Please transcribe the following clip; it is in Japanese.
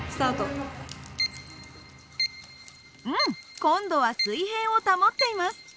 うん今度は水平を保っています。